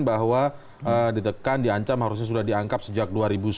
bahwa ditekan diancam harusnya sudah dianggap sejak dua ribu sembilan belas